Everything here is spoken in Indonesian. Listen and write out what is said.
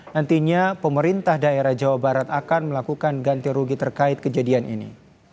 nantinya pemerintah daerah jawa barat akan melakukan ganti rugi terkait kejadian ini